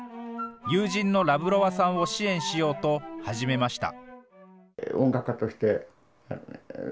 友人のラブロワさんを支援しようと、始めました。